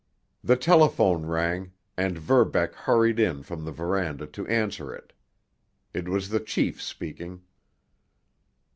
The telephone rang, and Verbeck hurried in from the veranda to answer it. It was the chief speaking.